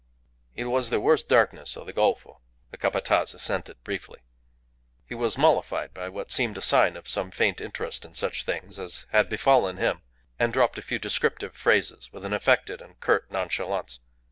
"It was the worst darkness of the Golfo," the Capataz assented, briefly. He was mollified by what seemed a sign of some faint interest in such things as had befallen him, and dropped a few descriptive phrases with an affected and curt nonchalance.